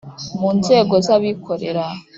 Mu nzego z abikorera